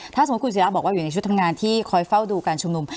ถ้าสมมุติคุณศิราบอกว่าอยู่ในชุดทำงานที่คอยเฝ้าดูการชุมนุม